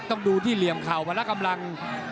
ต้องดูที่เหลี่ยมเข่าพละกำลัง